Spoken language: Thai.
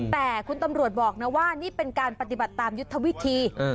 แต่คุณตำรวจบอกนะว่านี่เป็นการปฏิบัติตามยุทธวิธี